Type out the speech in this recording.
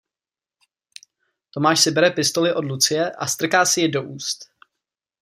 Tomáš si bere pistoli od Lucie a strká si ji do úst.